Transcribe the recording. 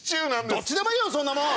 どっちでもいいよそんなもん！